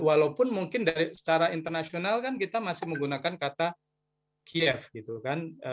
walaupun mungkin secara internasional kan kita masih menggunakan kata kiev gitu kan